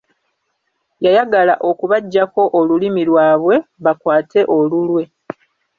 Yayagala okubaggyako olulimi lwabwe, bakwate olulwe.